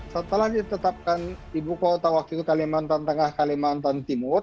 setelah ditetapkan ibu kota waktu itu kalimantan tengah kalimantan timur